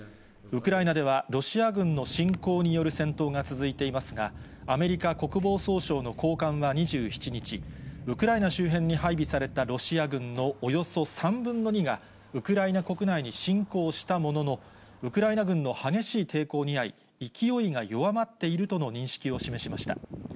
ウクライナでは、ロシア軍の侵攻による戦闘が続いていますが、アメリカ国防総省の高官は２７日、ウクライナ周辺に配備されたロシア軍のおよそ３分の２がウクライナ国内に侵攻したものの、ウクライナ軍の激しい抵抗に遭い、勢いが弱まっているとの認識を示しました。